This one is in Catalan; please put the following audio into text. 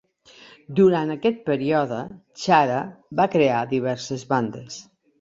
Durant aquest període, Chara va crear diverses bandes.